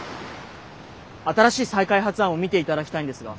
新しい再開発案を見ていただきたいんですが。